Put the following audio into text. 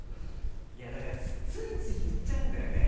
いやだからついつい言っちゃうんだよね。